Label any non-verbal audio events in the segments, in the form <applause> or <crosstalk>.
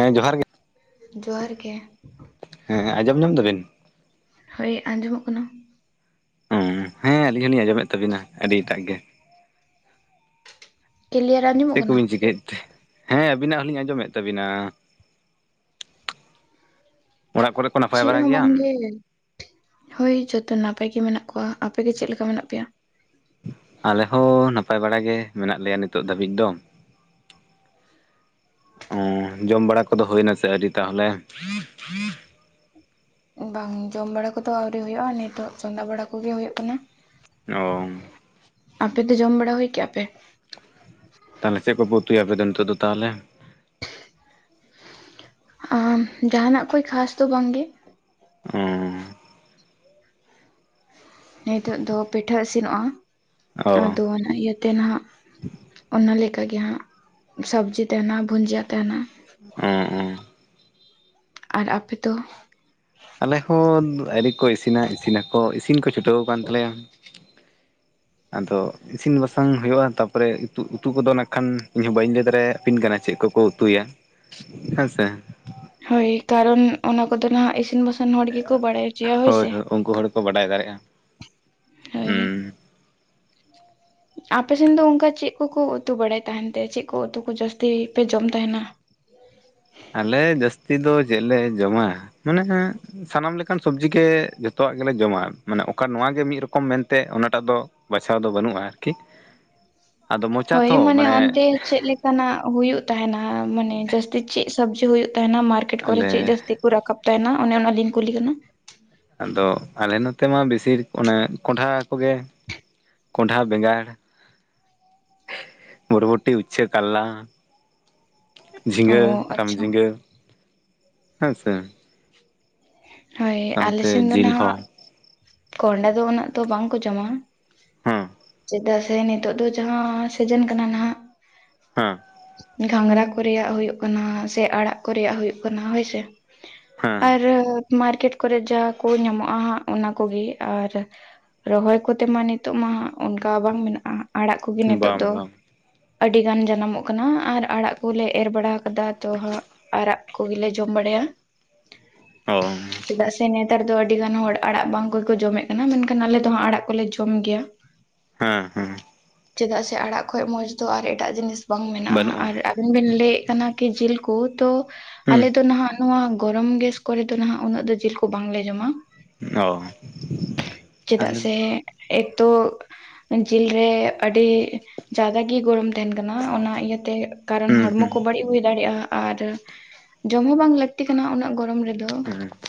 ᱦᱮᱸ ᱡᱚᱦᱟᱨ ᱜᱮ ᱡᱚᱦᱟᱨ ᱜᱮ ᱦᱮᱸ ᱦᱮᱸ ᱟᱸᱡᱚᱢ ᱧᱚᱢ ᱫᱟᱵᱮᱱ᱾ ᱦᱳᱭ ᱟᱸᱡᱚᱢᱚᱜ ᱠᱟᱱᱟ᱾ ᱦᱮᱸ ᱟᱹᱞᱤᱧ ᱦᱚᱞᱤᱧ ᱟᱸᱡᱚᱢᱮᱫ ᱛᱟᱵᱤᱱᱟ, ᱟᱹᱰᱤ ᱮᱴᱟᱜ ᱜᱮ᱾ ᱠᱞᱤᱭᱟᱨ ᱪᱮᱫ ᱟᱸᱡᱚᱢᱚᱜ ᱠᱟᱱᱟ ᱠᱚᱵᱤᱱ ᱪᱤᱠᱟᱹᱭᱮᱫ ᱛᱮ᱾ ᱦᱮᱸ ᱟᱵᱤᱱᱟᱜ ᱦᱚᱸᱞᱤᱧ ᱟᱸᱡᱚᱢᱮᱫ ᱛᱟᱵᱤᱱᱟ, <inaudible> ᱚᱲᱟᱜ ᱠᱚᱨᱮ ᱠᱚ ᱱᱟᱯᱟᱭ ᱪᱮᱜ ᱵᱟᱲᱟ ᱦᱚᱸ ᱜᱮᱭᱟ ᱵᱟᱝ ᱜᱮ᱾ ᱦᱳᱭ ᱡᱚᱛᱚ ᱱᱟᱯᱟᱭ ᱜᱮ ᱢᱮᱱᱟᱜ ᱠᱚᱣᱟ ᱟᱯᱮ ᱜᱮ ᱪᱮᱫ ᱞᱮᱠᱟ ᱢᱮᱱᱟᱜ ᱯᱮᱭᱟ᱾ ᱟᱞᱮ ᱦᱚᱸ ᱱᱟᱯᱟᱭ ᱵᱟᱲᱟ ᱜᱮ ᱢᱮᱱᱟᱜ ᱞᱮᱭᱟ ᱱᱤᱛᱚᱜ ᱫᱷᱟᱹᱵᱤᱡ ᱫᱚ᱾ ᱚ ᱡᱚᱢ ᱵᱟᱲᱟ ᱠᱚᱫᱚ ᱦᱩᱭ ᱱᱟ ᱥᱮ ᱟᱣᱨᱤ ᱛᱟᱦᱚᱞᱮ᱾ ᱵᱟᱝ ᱡᱚᱢ ᱵᱟᱲᱟ ᱠᱚ ᱫᱚ ᱟᱹᱣᱨᱤ ᱦᱳᱭᱳᱜᱼᱟ, ᱱᱤᱛᱚᱜ ᱪᱚᱸᱫᱟ ᱵᱟᱲᱟ ᱠᱚᱜᱮ ᱦᱳᱭᱳᱼᱜ ᱠᱟᱱᱟ᱾ ᱚ <unintelligible> ᱟᱯᱮ ᱫᱚ ᱡᱚᱢ ᱵᱟᱲᱟ ᱦᱳᱭ ᱠᱮᱜᱼᱟ ᱯᱮ? ᱛᱟᱦᱚᱞᱮ ᱪᱮᱫ ᱠᱚᱯᱮ ᱩᱛᱩᱭᱟ ᱟᱯᱮ ᱫᱚ ᱱᱤᱛᱚᱜ ᱫᱚ ᱛᱟᱦᱚᱞᱮ᱾ ᱟᱸᱻ ᱡᱟᱦᱟᱱᱟᱼᱜ ᱠᱷᱚᱭ ᱠᱷᱟᱥ ᱫᱚ ᱵᱟᱝ ᱜᱮ᱾ ᱚᱸ <unintelligible> ᱱᱤᱛᱚᱜ ᱫᱚ ᱯᱤᱴᱷᱟᱹ ᱤᱥᱤᱱᱚᱜᱼᱟ, ᱚ ᱟᱫᱚ ᱤᱭᱟᱹᱛᱮ ᱱᱟᱜ ᱚᱱᱟ ᱞᱮᱠᱟ ᱜᱮ ᱦᱟᱸᱜ ᱥᱚᱵᱽᱡᱤ ᱛᱟᱦᱮᱱᱟ, ᱵᱷᱩᱡᱤᱭᱟ ᱛᱟᱦᱮᱱᱟ᱾ ᱚᱸᱻ ᱚᱸᱻ ᱟᱨ ᱟᱯᱮ ᱫᱚ᱾ ᱟᱞᱮ ᱦᱚᱸ ᱟᱣᱨᱤ ᱠᱚ ᱤᱥᱤᱱᱟ ᱤᱥᱤᱱᱟ ᱠᱚ ᱤᱥᱤᱱ ᱠᱚ ᱪᱷᱩᱴᱟᱹᱣ ᱟᱠᱟᱱ ᱛᱟᱞᱮᱭᱼᱟ᱾ ᱟᱫᱚ ᱤᱥᱤᱱ ᱵᱟᱥᱟᱝ ᱦᱩᱭᱩᱜᱼᱟ, ᱛᱟᱯᱚᱨᱮ ᱩᱛᱩ ᱠᱚᱫᱚ ᱱᱟᱜ ᱠᱷᱟᱱ ᱤᱧ ᱦᱚᱸ ᱵᱟᱹᱧ ᱞᱟᱹᱭ ᱫᱟᱲᱮᱭᱟᱵᱤᱱ ᱠᱟᱱᱟ ᱪᱮᱫ ᱠᱚᱼᱠᱚ ᱩᱛᱩᱭᱟ ᱦᱮᱸᱥᱮ᱾ ᱦᱳᱭ ᱠᱟᱨᱚᱱ ᱚᱱᱟ ᱠᱚᱼᱫᱚ ᱦᱟᱸᱜ ᱤᱥᱤᱱ ᱵᱟᱥᱟᱱ ᱦᱚᱲ ᱜᱮᱠᱚ ᱵᱟᱲᱼᱟᱭ ᱦᱚᱪᱚᱭᱟ ᱦᱳᱭ ᱥᱮ᱾ ᱩᱱᱠᱩ ᱦᱚᱲ ᱜᱮ ᱠᱚ ᱵᱟᱰᱟᱭ ᱫᱟᱲᱭᱟᱜᱼᱟ ᱦᱳᱭ ᱦᱩᱸ᱾ ᱟᱯᱮ ᱥᱮᱫ ᱫᱚ ᱚᱱᱠᱟ ᱪᱮᱫ ᱠᱚᱼᱠᱚ ᱩᱛᱩ ᱵᱟᱲᱟᱭ ᱛᱟᱦᱮᱱ ᱛᱮ ᱪᱮᱫ ᱠᱚ ᱩᱛᱩ ᱠᱚ ᱡᱟᱹᱥᱛᱤ ᱯᱮ ᱡᱚᱢ ᱛᱟᱦᱮᱱᱟ? ᱟᱞᱮ ᱡᱟᱹᱥᱛᱤ ᱫᱚ ᱪᱮᱫ ᱞᱮ ᱡᱚᱢᱟ ᱢᱮᱱᱟᱜ ᱥᱟᱱᱟᱢ ᱞᱮᱠᱟᱱ ᱥᱚᱵᱡᱤ ᱜᱮ ᱡᱷᱚᱛᱚᱣᱟᱼᱜ ᱜᱮᱞᱮ ᱡᱚᱢᱟ᱾ ᱢᱟᱱᱮ ᱚᱠᱟ ᱱᱚᱣᱟ ᱜᱮ ᱢᱤᱫ ᱨᱚᱠᱚᱢ ᱢᱮᱱᱛᱮ ᱚᱱᱟᱴᱟᱜ ᱫᱚ ᱵᱟᱪᱷᱟᱣ ᱫᱚ ᱵᱟᱹᱱᱩᱜᱼᱟ, ᱟᱨᱠᱤ᱾ ᱟᱫᱚ ᱢᱚᱪᱟ ᱦᱳᱭ ᱛᱚ ᱢᱟᱱᱮ ᱚᱱᱰᱮ ᱪᱮᱫ ᱱᱟᱜ ᱦᱩᱭᱩᱜ ᱛᱟᱦᱮᱱᱟ᱾ ᱢᱟᱱᱮ ᱡᱟᱹᱥᱛᱤ ᱪᱮᱫ ᱥᱚᱵᱡᱤ ᱦᱩᱭᱩᱜ ᱛᱟᱦᱮᱱᱟ ᱢᱟᱨᱠᱮᱴ ᱠᱚᱨᱮ ᱟᱞᱮ ᱪᱮᱫ ᱡᱟᱹᱥᱛᱤ, ᱨᱟᱠᱟᱵ ᱛᱟᱦᱮᱱᱟ ᱚᱱᱮ ᱚᱱᱟ ᱞᱤᱞ ᱠᱩᱞᱤ ᱠᱟᱱᱟ᱾ ᱟᱫᱚ ᱟᱞᱮ ᱱᱚᱛᱮ ᱢᱟ ᱵᱮᱥᱤᱨ ᱚᱱᱮ ᱠᱚᱸᱱᱰᱷᱟ ᱠᱚᱜᱮ, ᱠᱚᱸᱱᱰᱷᱟ ᱵᱮᱸᱜᱟᱲ ᱵᱩᱨᱵᱩᱴᱤ, ᱩᱪᱪᱷᱟᱹ, ᱠᱟᱞᱞᱟ, ᱚ ᱡᱷᱤᱸᱜᱟᱹ, ᱨᱟᱢ ᱟᱪᱪᱷᱟ ᱡᱷᱤᱸᱜᱟᱹ, ᱦᱮᱸ ᱥᱮ᱾ ᱦᱳᱭ ᱟᱞᱮ ᱥᱟᱶᱛᱮ ᱥᱮᱱ ᱫᱚ ᱡᱤᱞ ᱦᱚᱸ ᱱᱟᱦᱟᱜ ᱠᱚᱦᱚᱸᱰᱷᱟ ᱫᱚ ᱩᱱᱟᱹᱜ ᱫᱚ ᱵᱟᱝ ᱠᱚ ᱡᱚᱢᱟ᱾ ᱦᱮᱸ ᱪᱮᱫᱟᱜ ᱥᱮ ᱱᱤᱛᱚᱜ ᱫᱚ ᱡᱟᱦᱟᱸ ᱥᱤᱡᱮᱱ ᱠᱟᱱᱟ ᱱᱟᱦᱟᱜ, ᱦᱟᱸ᱾ ᱜᱷᱟᱸᱝᱨᱟ ᱠᱚᱨᱮᱭᱟᱜ ᱦᱳᱭᱳᱜ ᱠᱟᱱᱟ᱾ ᱥᱮ ᱟᱲᱟᱜ ᱠᱚ ᱨᱮᱭᱟᱜ ᱦᱳᱭᱳᱜ ᱠᱟᱱᱟ ᱦᱳᱭ ᱥᱮ, ᱟᱨ ᱦᱮᱸ ᱢᱟᱨᱠᱮᱴ ᱠᱚᱨᱮ ᱡᱟ ᱠᱚ ᱧᱟᱢᱚᱜᱼᱟ ᱦᱟᱸᱜ ᱚᱱᱟ ᱠᱚᱜᱮ ᱟᱨ ᱨᱚᱦᱚᱭ ᱠᱚᱛᱮ ᱢᱟ ᱱᱤᱛᱚᱜ ᱢᱟ ᱚᱱᱠᱟ ᱵᱟᱝ ᱢᱮᱱᱟᱜᱼᱟ᱾ ᱟᱲᱟᱜ ᱠᱚᱜᱮ ᱱᱤᱛᱚᱜ ᱵᱟᱝ ᱫᱚ᱾ ᱵᱟᱝ ᱟᱹᱰᱤ ᱜᱟᱱ ᱡᱟᱱᱟᱢᱚᱜ ᱠᱟᱱᱟ, ᱟᱨ ᱟᱲᱟᱜ ᱠᱚᱞᱮ ᱮᱨ ᱵᱟᱲᱟ ᱟᱠᱟᱫᱟ ᱛᱚ ᱦᱟᱸᱜ, ᱟᱲᱟᱜ ᱠᱚᱜᱮ ᱞᱮ ᱡᱚᱢ ᱵᱟᱲᱟᱭᱟ᱾ ᱚ ᱪᱮᱫᱟᱜ ᱥᱮ ᱱᱮᱛᱟᱨ ᱫᱚ ᱟᱹᱰᱤ ᱜᱟᱱ ᱦᱚᱲ ᱟᱲᱟᱜ ᱵᱟᱝ ᱚᱠᱚᱭ ᱠᱚ ᱡᱚᱢ ᱮᱫ ᱠᱟᱱᱟ, ᱢᱮᱱᱠᱷᱟᱱ ᱟᱞᱮ ᱫᱚ ᱦᱟᱜ ᱟᱲᱟᱜ ᱠᱚᱞᱮ ᱡᱚᱢ ᱜᱮᱭᱟ᱾ ᱦᱮᱸ ᱦᱮᱸ ᱪᱮᱫᱟᱜ ᱥᱮ ᱟᱲᱟᱜ ᱠᱷᱚᱱ ᱢᱚᱸᱡᱽ ᱫᱚ ᱟᱨ ᱮᱴᱟᱜ ᱡᱤᱱᱤᱥ ᱵᱟᱝ ᱢᱮᱱᱟᱜᱼᱟ᱾ ᱵᱟᱹᱱᱩᱜᱼᱟ ᱟᱨ ᱟᱵᱤᱱ ᱵᱮᱱ ᱞᱟᱹᱭ ᱮᱫ ᱠᱟᱱᱟ ᱠᱤ ᱡᱤᱞ ᱠᱩ ᱛᱚ ᱦᱩᱸ ᱟᱞᱮ ᱫᱚ ᱱᱟᱦᱟᱜ, ᱱᱚᱣᱟ ᱜᱚᱨᱚᱢ ᱜᱮᱥ ᱠᱚᱨᱮ ᱫᱚ ᱱᱟᱦᱟᱜ ᱩᱱᱟᱹᱜ ᱫᱚ ᱡᱤᱞ ᱠᱚ ᱵᱟᱝᱞᱮ ᱡᱚᱢᱟ᱾ ᱚ ᱪᱮᱫᱟᱜ ᱟᱞᱮ ᱥᱮ, ᱮᱠᱛᱚ ᱡᱤᱞ ᱨᱮ ᱟᱹᱰᱤ, ᱡᱟᱫᱟ ᱜᱮ ᱜᱚᱨᱚᱢ ᱛᱟᱦᱮᱸᱱ ᱠᱟᱱᱟ ᱚᱱᱟ ᱤᱭᱟᱹᱛᱮ ᱠᱟᱨᱚᱱ ᱦᱩᱸ ᱦᱚᱲᱢᱚ ᱦᱩᱸ ᱠᱚ ᱵᱟᱹᱲᱤᱡ ᱦᱩᱭ ᱫᱟᱲᱮᱭᱟᱜᱼᱟ᱾ ᱟᱨ ᱡᱚᱢ ᱦᱚᱸ ᱵᱟᱝ ᱞᱟᱹᱠᱛᱤ ᱠᱟᱱᱟ ᱩᱱᱟᱹᱜ ᱜᱚᱨᱚᱢ ᱨᱮᱫᱚ, ᱦᱩᱸ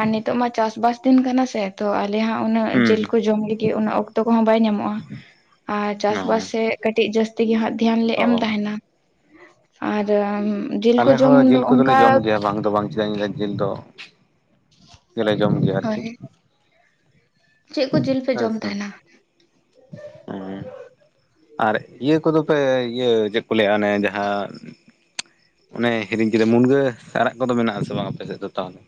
ᱟᱨ ᱱᱤᱛᱚᱜ ᱢᱟ ᱪᱟᱥ ᱵᱟᱥ ᱫᱤᱱ ᱠᱟᱱᱟ᱾ ᱥᱮ ᱛᱚ ᱟᱞᱮ ᱦᱟᱸᱜ ᱩᱱᱟᱹᱜ ᱡᱤᱞ ᱠᱚ ᱦᱩᱸ ᱡᱚᱢ ᱞᱟᱹᱜᱤᱫ ᱩᱱᱟᱹᱜ ᱚᱠᱛᱚ ᱠᱚᱦᱚᱸ ᱵᱟᱭ ᱧᱟᱢᱚᱜᱼᱟ᱾ ᱟᱨ ᱪᱟᱥ ᱚ ᱵᱟᱥ ᱥᱮ ᱠᱟᱹᱴᱤᱡ ᱡᱟᱹᱥᱛᱤ ᱜᱮ ᱦᱟᱸᱜ ᱫᱷᱮᱭᱟᱱ ᱞᱮ ᱚ ᱮᱢ ᱛᱟᱦᱮᱸᱱᱟ᱾ ᱟᱫᱚ ᱟᱢ? ᱟᱞᱮ ᱦᱚᱸ ᱡᱤᱞ ᱠᱚᱫᱚ ᱞᱮ ᱡᱚᱢ ᱜᱮᱭᱟ᱾ ᱵᱟᱝ ᱫᱚ ᱵᱟᱝ, ᱪᱮᱫᱟᱜ ᱤᱧ ᱞᱟᱹᱭᱟ ᱡᱤᱞ ᱫᱚ ᱡᱚᱢ ᱜᱮᱭᱟ᱾ ᱟᱨᱠᱤ ᱪᱮᱜ ᱠᱚ ᱡᱤᱞ ᱯᱮ ᱦᱮᱸ ᱡᱚᱢ ᱥᱮ ᱛᱟᱦᱮᱸᱱᱟ? ᱦᱮᱸ ᱟᱨ ᱤᱭᱟᱹ ᱠᱚᱫᱚ ᱯᱮ ᱤᱭᱟᱹ ᱪᱮᱫ ᱠᱚ ᱞᱟᱹᱭᱟ ᱚᱱᱮ ᱡᱟᱦᱟᱸ, ᱚᱱᱮ ᱦᱤᱲᱤᱧ ᱠᱮᱫᱟ ᱢᱩᱱᱜᱟᱹ ᱟᱲᱟᱜ ᱠᱚᱫᱚ ᱢᱮᱱᱟᱜ ᱟᱥᱮ ᱵᱟᱝ ᱟᱯᱮ ᱥᱮᱫ ᱫᱚ ᱛᱟᱦᱚᱞᱮ?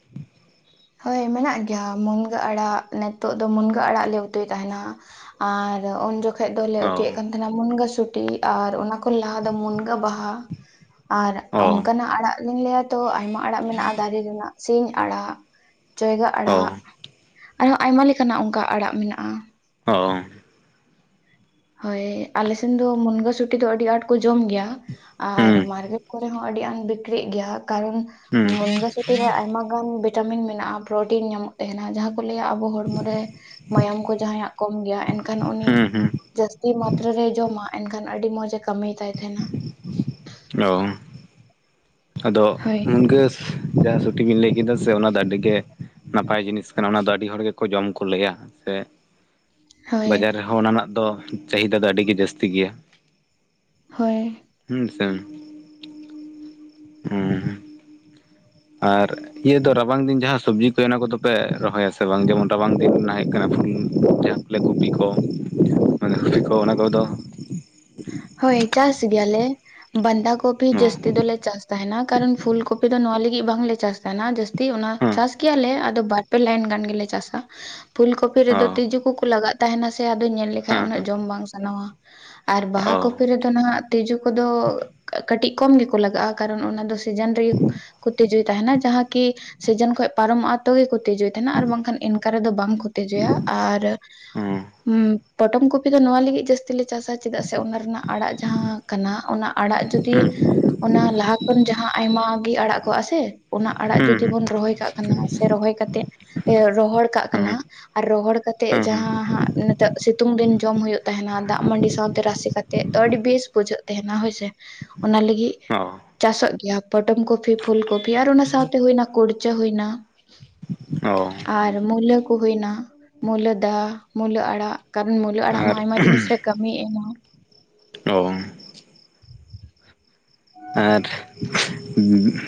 ᱦᱳᱣ ᱢᱮᱱᱟᱜ ᱜᱮᱭᱟ, ᱢᱩᱱᱜᱟᱹ ᱟᱲᱟᱜ ᱱᱤᱛᱚᱜ ᱫᱚ, ᱢᱩᱱᱜᱟᱹ ᱟᱲᱟᱜ ᱞᱮ ᱩᱛᱩᱭ ᱛᱟᱦᱮᱸᱱᱟ᱾ ᱟᱨ ᱩᱱ ᱡᱚᱠᱷᱚᱡ ᱫᱚᱞᱮ ᱚ ᱩᱛᱩᱭ ᱮᱫ ᱠᱟᱱ ᱛᱟᱸᱦᱮᱱᱟ ᱢᱩᱱᱜᱟᱹ ᱥᱩᱴᱤ ᱟᱨ ᱚᱱᱟ ᱠᱷᱚᱱ ᱞᱟᱦᱟ ᱫᱚ ᱢᱩᱱᱜᱟᱹ ᱵᱟᱦᱟ, ᱟᱨ ᱚ ᱚᱱᱠᱟᱱᱟᱜ ᱟᱲᱟᱜ ᱞᱤᱧ ᱞᱟᱹᱭᱟ ᱛᱚ ᱟᱭᱢᱟ ᱟᱲᱟᱜ ᱢᱮᱱᱟᱜᱼᱟ ᱫᱟᱨᱮ ᱨᱮᱱᱟᱜ ᱥᱤᱧ ᱟᱲᱟᱜ, ᱪᱮᱭᱜᱟ ᱟᱲᱟᱜ ᱚ ᱟᱨᱦᱚᱸ ᱟᱭᱢᱟ ᱞᱮᱠᱟᱱᱟᱜ ᱚᱱᱠᱟ ᱟᱲᱟᱜ ᱢᱮᱱᱟᱜᱼᱟ᱾ ᱚ ᱦᱳᱣ ᱟᱞᱮ ᱥᱮᱱ ᱫᱚ ᱢᱩᱱᱜᱟᱹ ᱥᱩᱴᱤ ᱫᱚ ᱟᱹᱰᱤ ᱟᱸᱴ ᱠᱚ ᱡᱚᱢ ᱜᱮᱭᱟ᱾ ᱟᱨ ᱦᱩᱸ ᱢᱟᱨᱠᱮᱴ ᱠᱚᱨᱮ ᱦᱚᱸ ᱟᱹᱰᱤ ᱟᱸᱴ ᱵᱤᱠᱠᱤᱨᱤᱜ ᱜᱮᱭᱟ, ᱠᱟᱨᱚᱱ ᱦᱩᱸ ᱢᱩᱱᱜᱟᱹ ᱥᱩᱴᱤ ᱨᱮ ᱟᱭᱢᱟ ᱜᱟᱱ ᱵᱷᱤᱴᱟᱢᱤᱱ ᱢᱮᱱᱟᱜᱼᱟ, ᱯᱨᱚᱴᱤᱱ ᱧᱟᱢᱚᱜ ᱛᱟᱸᱦᱮᱱᱟ ᱡᱟᱦᱟᱸ ᱠᱚ ᱞᱟᱹᱭᱟ ᱟᱵᱚ ᱦᱚᱲᱢᱚ ᱨᱮ, ᱢᱟᱭᱟᱢ ᱠᱚ ᱡᱟᱸᱦᱟᱭᱟᱜ ᱠᱚᱢ ᱜᱮᱭᱟ ᱮᱱᱠᱷᱟᱱ ᱩᱱᱤ, ᱦᱩᱸ ᱦᱩᱸ ᱡᱟᱹᱥᱛᱤ ᱢᱟᱛᱨᱟ ᱨᱮᱭ ᱡᱚᱢᱟ ᱮᱱᱠᱷᱟᱱ ᱟᱹᱰᱤ ᱢᱚᱸᱡᱽ ᱮ ᱠᱟᱹᱢᱤ ᱛᱟᱭ ᱛᱟᱸᱦᱮᱱᱟ ᱾ ᱚ ᱟᱫᱚ ᱦᱳᱭ ᱢᱩᱱᱜᱟᱹ ᱡᱟᱸᱦᱟ ᱥᱩᱴᱤ ᱵᱤᱱ ᱞᱟᱹᱭ ᱠᱮᱫᱟ ᱥᱮ ᱚᱱᱟ ᱫᱚ ᱟᱹᱰᱤ ᱜᱮ, ᱱᱟᱯᱟᱭ ᱡᱤᱱᱤᱥ ᱠᱟᱱᱟ ᱚᱱᱟ ᱫᱚ ᱟᱹᱰᱤ ᱦᱚᱲ ᱜᱮᱠᱚ ᱡᱚᱢ ᱠᱚ ᱞᱟᱹᱭᱟ ᱥᱮ, ᱦᱳᱭ ᱵᱟᱡᱟᱨ ᱨᱮᱦᱚᱸ ᱚᱱᱟ ᱨᱮᱱᱟᱜ ᱫᱚ ᱪᱟᱹᱦᱤᱫᱟ ᱫᱚ ᱟᱹᱰᱤᱜᱮ ᱡᱟᱹᱥᱛᱤ ᱜᱮᱭᱟ᱾ ᱦᱳᱭ᱾ ᱦᱩᱸ ᱥᱮᱢ᱾ ᱦᱮᱸ ᱾ ᱟᱨ ᱤᱭᱟᱹ ᱫᱚ ᱨᱟᱵᱟᱝ ᱫᱤᱱ ᱡᱟᱦᱟᱸ ᱥᱚᱵᱽᱡᱤ ᱯᱮ ᱚᱱᱟ ᱠᱚᱫᱚ ᱯᱮ ᱨᱚᱦᱚᱭ ᱟᱥᱮ ᱵᱟᱝ? ᱡᱮᱢᱚᱱ ᱨᱟᱵᱟᱝ ᱫᱤᱱ ᱨᱮᱱᱟᱜ ᱦᱩᱭᱩᱜ ᱠᱟᱱᱟ ᱯᱷᱩᱞ <unintelligible> ᱞᱮ ᱠᱚᱯᱤ ᱠᱚ ᱢᱟᱱᱮ ᱠᱚᱯᱤ ᱠᱚ ᱚᱱᱟ ᱠᱚᱫᱚ ᱦᱳᱭ ᱪᱟᱥ ᱜᱮᱭᱟ ᱞᱮ᱾ ᱵᱟᱸᱫᱷᱟ ᱠᱚᱯᱷᱤ ᱚ ᱦᱮᱸ ᱚ ᱡᱟᱹᱥᱛᱤ ᱫᱚᱞᱮ ᱪᱟᱥ ᱛᱟᱦᱮᱸᱱᱟ, ᱠᱟᱨᱚᱱ ᱯᱷᱩᱞ ᱠᱚᱯᱷᱤ ᱫᱚ ᱱᱚᱣᱟ ᱞᱟᱹᱜᱤᱫ ᱵᱟᱝᱞᱮ ᱪᱟᱥ ᱛᱟᱦᱮᱱᱟ, ᱡᱟᱹᱥᱛᱤ ᱚᱱᱟ ᱪᱟᱥ ᱜᱮᱭᱟ ᱞᱮ ᱟᱫᱚ ᱵᱟᱨ ᱯᱮ ᱞᱟᱭᱤᱱ ᱜᱟᱱ ᱜᱮᱞᱮ ᱪᱟᱥᱟ᱾ ᱯᱷᱩᱞ ᱠᱚᱯᱷᱤ ᱦᱮᱸ ᱨᱮᱫᱚ ᱦᱮᱸ ᱛᱤᱸᱡᱩ ᱠᱚ ᱠᱚ ᱞᱟᱜᱟᱜ ᱛᱟᱦᱮᱸᱱᱟ ᱥᱮ ᱟᱫᱚ ᱧᱮᱞ ᱞᱮᱠᱷᱟᱡ ᱩᱱᱟᱹᱜ ᱡᱚᱢ ᱵᱟᱝ ᱥᱟᱱᱟᱣᱟ᱾ ᱟᱨ ᱵᱟᱦᱟ ᱚ ᱦᱮᱸ ᱠᱚᱯᱷᱤ ᱨᱮᱫᱚ ᱱᱟᱦᱟᱜ ᱛᱮᱡᱳ ᱠᱚᱫᱚ ᱠᱟ-ᱠᱟᱹᱴᱤᱡ ᱠᱚᱢ ᱜᱮᱠᱚ ᱞᱟᱜᱟᱜᱼᱟ ᱠᱟᱨᱚᱱ ᱚᱱᱟ ᱫᱚ ᱥᱤᱡᱟᱱ ᱨᱮᱜᱮ ᱠᱩ ᱛᱮᱡᱩᱭ ᱛᱟᱦᱮᱸᱱᱟ ᱡᱟᱦᱟᱸ ᱠᱤ ᱥᱤᱡᱟᱹᱱ ᱠᱷᱚᱡ ᱯᱟᱨᱚᱢᱚᱜᱼᱟ ᱛᱚ ᱜᱮᱠᱚ ᱛᱤᱡᱩᱭ ᱛᱟᱦᱮᱱᱟ ᱟᱨ ᱵᱟᱝᱠᱷᱟᱱ ᱤᱱᱠᱟ ᱨᱮᱫᱚ ᱵᱟᱝᱠᱚ ᱛᱤᱡᱩᱭᱟ ᱟᱨ ᱦᱩᱸ ᱦᱩᱸ ᱯᱚᱴᱚᱢ ᱠᱩᱯᱤ ᱫᱚ ᱱᱚᱣᱟ ᱞᱤᱜᱤᱜ ᱡᱟᱥᱛᱤ ᱞᱮ ᱪᱟᱥᱟ᱾ ᱪᱮᱫᱟᱜ ᱥᱮ ᱚᱱᱟ ᱨᱮᱱᱟᱜ ᱟᱲᱟᱜ ᱡᱟᱦᱟᱸ ᱠᱟᱱᱟ ᱚᱱᱟ ᱟᱲᱟᱜ ᱡᱩᱫᱤ ᱚᱱᱟ ᱞᱟᱦᱟ ᱠᱷᱚᱱ ᱡᱟᱦᱟᱸ ᱟᱭᱢᱟᱜᱮ ᱟᱲᱟᱜ ᱠᱚᱜ ᱟ ᱥᱮ, ᱚᱱᱟ ᱟᱲᱟᱜ ᱡᱩᱫᱤ ᱦᱩᱸ ᱵᱚᱱ ᱨᱚᱦᱚᱭ ᱠᱟᱜ ᱠᱟᱱᱚ ᱥᱮ ᱨᱚᱦᱚᱭ ᱠᱟᱛᱮ ᱤᱭᱟᱹ ᱨᱚᱦᱚᱲ ᱠᱟᱜ ᱠᱟᱱᱟ᱾ ᱦᱩᱸ ᱟᱨ ᱨᱚᱦᱚᱲ ᱠᱟᱛᱮᱜ ᱦᱩᱸ ᱦᱩᱸ ᱦᱩᱸ ᱡᱟᱦᱟᱸ ᱦᱟᱸᱜ ᱱᱤᱛᱚᱜ ᱥᱤᱛᱩᱝ ᱫᱤᱱ ᱡᱚᱢ ᱦᱩᱭᱩᱜ ᱛᱟᱦᱮᱱᱟ ᱫᱟᱜᱢᱟᱹᱰᱤ ᱥᱟᱶ᱾ ᱛᱮᱨᱟᱥᱮ ᱠᱟᱛᱮᱜ ᱛᱚ ᱟᱹᱰᱤ ᱵᱮᱥ ᱵᱩᱡᱷᱟᱹᱜ ᱛᱟᱦᱮᱱᱟ ᱦᱳᱭᱥᱮ, ᱚᱱᱟ ᱞᱟᱹᱜᱤᱜ ᱚ ᱪᱟᱥᱚᱜ ᱜᱮᱭᱟ ᱯᱚᱴᱚᱢ ᱠᱚᱯᱤ, ᱯᱷᱩᱞ ᱠᱚᱯᱤ, ᱟᱨ ᱚᱱᱟ ᱥᱟᱶᱛᱮ ᱦᱩᱭᱱᱟ ᱠᱩᱲᱪᱟᱹ ᱦᱩᱭᱱᱟ᱾ ᱚ ᱟᱨ ᱢᱩᱞᱟᱹ ᱠᱚ ᱦᱩᱭᱱᱟ, ᱢᱩᱞᱟᱹ ᱫᱟ, ᱢᱩᱞᱟᱹ ᱟᱲᱟᱜ, ᱠᱟᱨᱚᱱ ᱢᱩᱞᱟᱹ ᱟᱲᱟᱜ ᱢᱟ ᱟᱨ ᱟᱭᱢᱟ ᱡᱤᱱᱤᱥ ᱨᱮ ᱠᱟᱹᱢᱤᱭ ᱮᱢᱟ᱾ ᱚ ᱟᱨ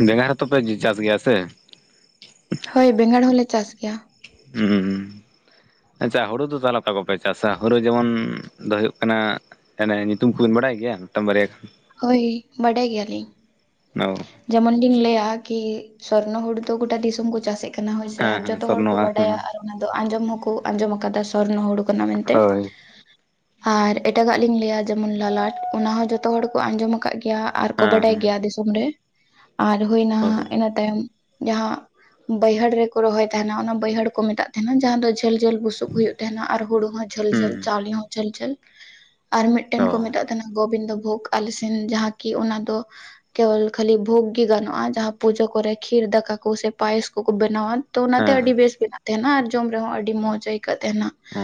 ᱵᱮᱸᱜᱟᱲ ᱦᱚᱛᱚ ᱯᱮ ᱪᱟᱥ ᱜᱮᱭᱟ ᱥᱮ? ᱦᱳᱭ ᱵᱮᱸᱜᱟᱲ ᱦᱚᱞᱮ ᱪᱟᱥ ᱜᱮᱭᱟ᱾ ᱦᱩᱸᱻ᱾ ᱟᱪᱪᱷᱟ ᱦᱳᱲᱳ ᱫᱚ ᱛᱟᱦᱚᱞᱮ ᱚᱠᱟ ᱠᱚᱯᱮ ᱪᱟᱥᱟ? ᱦᱩᱲᱩ ᱡᱮᱢᱚᱱ ᱫᱚ ᱦᱩᱭᱩᱜ ᱠᱟᱱᱟ ᱮᱱᱮ ᱧᱩᱛᱩᱢ ᱠᱚᱵᱤᱱ ᱵᱟᱲᱟᱭ ᱜᱮᱭᱟ ᱢᱤᱫᱴᱟᱝ ᱵᱟᱨᱭᱟ? ᱦᱳᱭ ᱵᱟᱰᱟᱭ ᱜᱮᱭᱟᱞᱤᱧ᱾ ᱱᱚ᱾ ᱡᱮᱢᱚᱱ ᱜᱤᱧ ᱞᱟᱹᱭᱟ ᱠᱤ ᱥᱚᱨᱱᱚ ᱦᱩᱲᱩ ᱫᱚ ᱜᱚᱴᱟ ᱫᱤᱥᱚᱢ ᱠᱚ ᱪᱟᱥᱮᱫ ᱠᱟᱱᱟ ᱦᱳᱭ ᱥᱮ, ᱦᱮᱸ ᱟᱨ ᱦᱮᱸ ᱡᱚᱛᱚ ᱦᱚᱲ ᱠᱚ ᱥᱚᱨᱱᱚᱼᱟ ᱵᱟᱰᱟᱭᱟ ᱦᱮᱸ ᱟᱨ ᱚᱱᱟ ᱫᱚ ᱟᱸᱡᱚᱢ ᱦᱚᱸᱠᱚ ᱟᱸᱡᱚᱢ ᱠᱟᱫᱟ ᱥᱚᱨᱱᱚ ᱦᱩᱲᱩ ᱠᱟᱱᱟ ᱢᱮᱱᱛᱮ᱾ ᱦᱳᱭ ᱟᱨ ᱮᱴᱟᱜᱟᱜ ᱞᱤᱧ ᱞᱟᱹᱭᱟ ᱡᱮᱢᱚᱱ ᱞᱟᱞᱟᱴ ᱚᱱᱟ ᱦᱚᱸ ᱡᱚᱛᱚ ᱦᱚᱲ ᱠᱚ ᱟᱸᱡᱚᱢ ᱟᱠᱟᱫ ᱜᱮᱭᱟ᱾ ᱟᱨ ᱠᱚ ᱦᱮᱸ ᱵᱟᱰᱟᱭ ᱦᱮᱸ ᱜᱮᱭᱟ ᱫᱤᱥᱚᱢ ᱨᱮ, ᱟᱨ ᱦᱩᱭᱱᱟ ᱦᱳᱭ ᱤᱱᱟᱹ ᱛᱟᱭᱚᱢ ᱡᱟᱦᱟᱸ ᱵᱟᱹᱭᱦᱟᱹᱲ ᱨᱮᱠᱚ ᱨᱚᱦᱚᱭ ᱛᱟᱦᱮᱱᱟ ᱚᱱᱟ ᱵᱟᱹᱭᱦᱟᱹᱲ ᱠᱚ ᱢᱮᱛᱟᱜ ᱛᱟᱦᱮᱱᱟ, ᱡᱟᱦᱟᱸ ᱫᱚ ᱡᱷᱟᱹᱞ ᱡᱷᱟᱹᱞ ᱵᱩᱥᱩᱵ ᱦᱩᱭᱩᱜ ᱛᱟᱦᱮᱱᱟ, ᱟᱨ ᱦᱩᱲᱩ ᱦᱚᱸ ᱡᱷᱟᱹᱞ ᱡᱷᱟᱹᱞ, ᱦᱩᱸ ᱪᱟᱣᱞᱮ ᱦᱚᱸ ᱡᱷᱟᱹᱞ ᱡᱷᱟᱹᱞ᱾ ᱟᱨ ᱢᱤᱫᱴᱮᱱ ᱚ ᱠᱚ ᱢᱮᱛᱟᱜ ᱛᱟᱦᱮᱱᱟ ᱜᱳᱵᱤᱱᱫᱚ ᱵᱷᱳᱜᱽ ᱟᱞᱮ ᱥᱮᱱ ᱡᱟᱦᱟᱸ ᱠᱤ ᱚᱱᱟ ᱫᱚ ᱠᱮᱵᱚᱞ ᱠᱷᱟᱞᱤ ᱵᱷᱩᱜ ᱜᱮ ᱜᱟᱱᱚᱜᱼᱟ ᱡᱟᱦᱟᱸ ᱯᱩᱡᱟᱹ ᱠᱚᱨᱮ ᱠᱷᱤᱨ ᱫᱟᱠᱟ ᱠᱳ ᱥᱮ ᱯᱟᱭᱮᱥ ᱠᱚᱠᱚ ᱵᱮᱱᱟᱣᱟᱱ᱾ ᱛᱚ ᱚᱱᱟᱛᱮ ᱦᱮᱸ ᱟᱹᱰᱤ ᱦᱮᱸ ᱵᱮᱥ ᱵᱮᱱᱟᱜ ᱛᱟᱦᱮᱱᱟ ᱟᱨ ᱡᱚᱢ ᱨᱮᱦᱚᱸ ᱟᱹᱰᱤ ᱢᱚᱸᱡᱽ ᱟᱹᱭᱠᱟᱹᱜ ᱛᱟᱦᱮᱱᱟ, ᱚ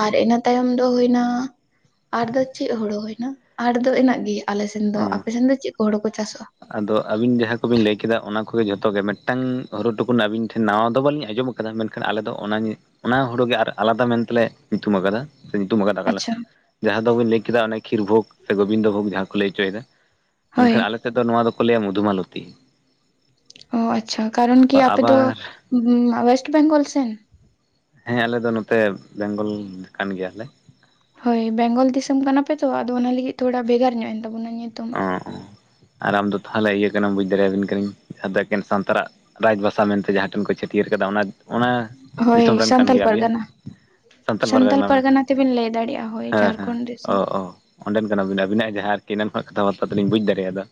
ᱟᱨ ᱤᱱᱟ ᱛᱟᱭᱚᱢ ᱫᱚ ᱦᱩᱭᱱᱟ ᱟᱨ ᱫᱚ ᱪᱮᱫ ᱦᱩᱲᱩ ᱦᱩᱭᱱᱟ ᱟᱨ ᱫᱚ ᱤᱱᱟᱹᱜ ᱜᱮᱭᱟ᱾ ᱟᱞᱮᱥᱮᱱ ᱫᱚ, ᱚ ᱟᱯᱮᱥᱮᱱ ᱫᱚ ᱪᱮᱜ ᱠᱚ ᱦᱳᱲᱳ ᱠᱚ ᱪᱟᱥᱚᱜᱼᱟ? ᱟᱫᱚ ᱟᱹᱵᱤᱱ ᱡᱟᱦᱟᱸ ᱠᱚᱵᱤᱱ ᱞᱟᱹᱭ ᱠᱮᱫᱟ ᱚᱱᱟ ᱠᱚᱜᱮ ᱡᱷᱚᱛᱚ, ᱜᱮ ᱢᱮᱴᱟᱝ ᱦᱳᱨᱳ ᱴᱩᱠᱩᱱ ᱟᱹᱵᱤᱱ ᱴᱷᱮᱱ ᱱᱟᱣᱟ ᱫᱚ ᱵᱟᱹᱞᱤᱧ ᱟᱸᱡᱚᱢ ᱟᱫᱟ ᱢᱮᱱᱠᱷᱟᱱ ᱟᱞᱮ ᱫᱚ ᱚᱱᱟ, ᱚᱱᱟ ᱦᱳᱲᱳ ᱜᱮ ᱟᱨ ᱟᱞᱟᱫᱟ ᱢᱮᱱᱛᱮᱞᱮ ᱧᱩᱛᱷᱩᱢ ᱟᱠᱟᱫᱟ ᱥᱮ ᱧᱩᱛᱩᱧ ᱟᱠᱟᱫᱟᱠᱟᱞᱮ᱾ ᱟᱪᱪᱷᱟ ᱡᱟᱦᱟᱸ ᱫᱚᱵᱤᱱ ᱞᱟᱹᱭ ᱠᱮᱫᱟ ᱚᱱᱮ ᱠᱷᱤᱨ ᱵᱷᱳᱜᱽ ᱥᱮ ᱜᱳᱵᱤᱱᱫᱚ ᱵᱷᱳᱜᱽ ᱡᱟᱦᱟᱸ ᱠᱚ ᱞᱟᱹᱭ ᱦᱚᱪᱚᱭᱮᱫᱟ ᱦᱳᱭ ᱢᱮᱱᱠᱷᱟᱱ ᱟᱞᱮ ᱛᱮᱫ ᱫᱚ ᱱᱚᱣᱟ ᱫᱚᱠᱚ ᱞᱟᱹᱭᱟ ᱢᱚᱫᱷᱩᱢᱟᱞᱚᱛᱤ᱾ ᱚ ᱟᱪᱪᱷᱟ ᱠᱟᱨᱚᱱ ᱠᱤ ᱟᱯᱮ ᱫᱚ ᱟᱵᱟᱨ ᱚᱳᱭᱮᱥᱴ ᱵᱮᱝᱜᱚᱞ ᱥᱮᱱ? ᱦᱮᱸ, ᱟᱞᱮ ᱫᱚ ᱱᱚᱛᱮ ᱵᱮᱝᱜᱚᱞ ᱠᱟᱱ ᱜᱮᱭᱟᱞᱮ᱾ ᱦᱳᱭ ᱵᱮᱝᱜᱚᱞ ᱫᱤᱥᱚᱢ ᱠᱟᱱᱟᱯᱮ ᱛᱚ ᱟᱫᱚ ᱚᱱᱟᱹ ᱞᱟᱹᱜᱤᱫ ᱛᱷᱚᱲᱟ ᱵᱷᱮᱜᱟᱨ ᱧᱚᱜ ᱮᱱ ᱛᱟᱵᱚᱱᱟ ᱧᱩᱛᱩᱢ᱾ ᱚᱸ ᱚᱸ ᱟᱨ ᱟᱢᱫᱚ ᱛᱷᱟᱞᱮ ᱤᱭᱟᱹ ᱠᱟᱱᱟᱢ ᱵᱩᱡ ᱫᱟᱲᱮᱭᱟᱵᱤᱱ ᱠᱟᱱᱟᱹᱧ, ᱡᱟᱦᱟᱸ ᱫᱚ ᱮᱠᱮᱱ ᱥᱟᱱᱛᱟᱲᱟᱜ ᱨᱟᱡᱽ ᱵᱷᱟᱥᱟ ᱢᱮᱱᱛᱮ ᱡᱟᱦᱟᱸ ᱴᱷᱮᱱ ᱠᱚ ᱪᱷᱟᱹᱴᱭᱟᱹᱨ ᱠᱟᱫᱟ ᱚᱱᱟ ᱚᱱᱟ ᱦᱳᱭ ᱫᱤᱥᱚᱢ ᱨᱮᱱ ᱠᱟᱱ ᱥᱟᱱᱛᱟᱞ ᱜᱮᱭᱟᱵᱤᱱ ᱯᱟᱨᱜᱟᱱᱟ ᱥᱟᱱᱛᱟᱞ ᱯᱟᱨᱜᱟᱱᱟ ᱠᱟᱱᱟ ᱵᱮᱱ ᱛᱮᱵᱮᱱ ᱞᱟᱹᱭ ᱫᱟᱲᱮᱭᱟᱜᱼᱟ ᱦᱳᱭ ᱦᱮᱸ ᱦᱮᱸ ᱡᱷᱟᱲᱠᱷᱚᱸᱰ ᱫᱤᱥᱚᱢ ᱚ ᱚ ᱚᱸᱰᱮᱱ ᱠᱟᱱᱟ ᱵᱤᱱ ᱟᱵᱤᱱᱟᱜ ᱡᱟᱸᱦᱟ ᱟᱨᱠᱤ ᱮᱱᱟᱱ ᱠᱷᱚᱱ ᱠᱟᱛᱷᱟ ᱵᱟᱛᱛᱟ ᱛᱮᱞᱤᱧ ᱵᱩᱡᱽ ᱫᱟᱲᱮᱭᱟᱫᱟ